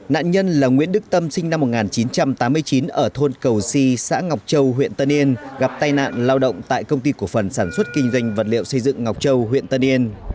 nạn nhân là nguyễn đức tâm sinh năm một nghìn chín trăm tám mươi chín ở thôn cầu si xã ngọc châu huyện tân yên gặp tai nạn lao động tại công ty cổ phần sản xuất kinh doanh vật liệu xây dựng ngọc châu huyện tân yên